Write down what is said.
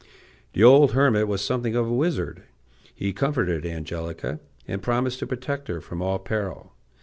The old hermit was something of a wizard. He comforted Angelica, and promised to protect her from all peril.